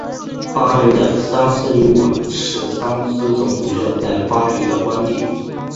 巴黎的桑斯旅馆是桑斯总主教在巴黎的官邸。